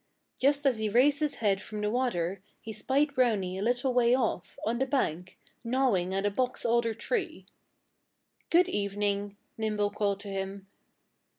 Just as he raised his head from the water he spied Brownie a little way off, on the bank, gnawing at a box alder tree. "Good evening!" Nimble called to him.